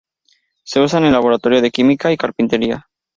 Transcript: Se usan en laboratorios de química y carpintería.